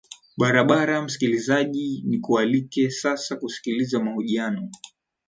barabara msikilizaji nikualike sasa kusikiliza mahojiano